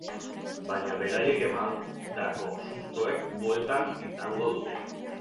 Baina beraiek emandako sustoek buelta izango dute.